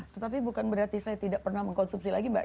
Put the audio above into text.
tetapi bukan berarti saya tidak pernah mengkonsumsi lagi mbak